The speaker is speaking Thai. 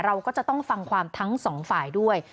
เราก็จะต้องฟังความทั้งสองฝ่ายด้วย